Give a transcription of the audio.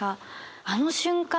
あの瞬間